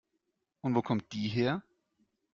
Und wo kommt die her?